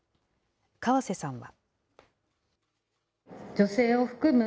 河瀬さんは。